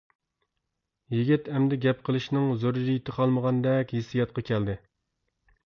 يىگىت ئەمدى گەپ قىلىشنىڭ زۆرۈرىيىتى قالمىغاندەك ھېسسىياتقا كەلدى.